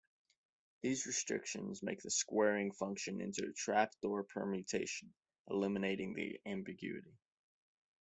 These restrictions make the squaring function into a trapdoor permutation, eliminating the ambiguity.